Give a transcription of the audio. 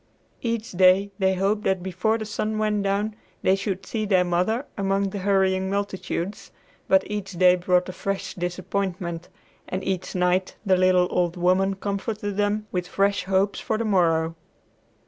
Each day they hoped that before the sun went down they should see their mother among the hurrying multitudes, but each day brought a fresh disappointment, and each night the little old woman comforted them with fresh hope for the morrow.